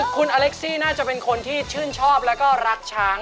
คุณอเล็กซี่น่าจะเป็นคนที่ชื่นชอบแล้วก็รักช้าง